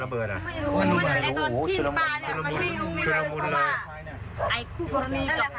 ลูกพี่อ่ะเขาตีกันแล้วพากันไห้